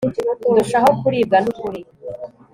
ndushaho kuribwa nukuri